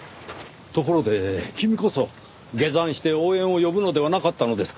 ところで君こそ下山して応援を呼ぶのではなかったのですか？